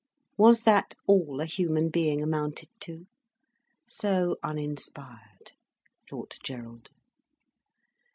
Was that all a human being amounted to? So uninspired! thought Gerald.